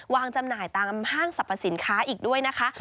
จำหน่ายตามห้างสรรพสินค้าอีกด้วยนะคะ